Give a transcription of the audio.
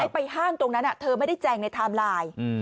ไปห้างตรงนั้นเธอไม่ได้แจงในไทม์ไลน์